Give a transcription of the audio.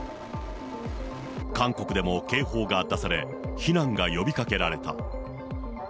韓国でも警報が出され、避難が呼びかけられた。